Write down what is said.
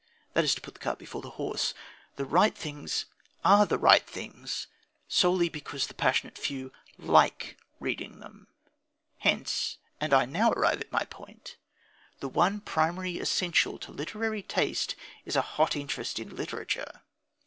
That is to put the cart before the horse. "The right things" are the right things solely because the passionate few like reading them. Hence and I now arrive at my point the one primary essential to literary taste is a hot interest in literature.